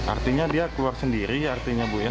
artinya dia keluar sendiri artinya bu ya